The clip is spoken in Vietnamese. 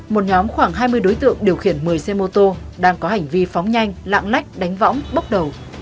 một nhóm khoảng hai mươi đối tượng điều khiển một mươi xe mô tô đang có hành vi phóng nhanh lạng lách đánh võng bốc đầu